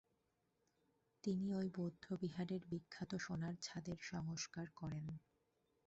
তিনি ঐ বৌদ্ধবিহারের বিখ্যাত সোনার ছাদের সংস্কার করেন।